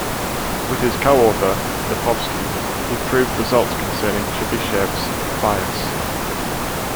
With his coauthor Knapowski he proved results concerning Chebyshev's bias.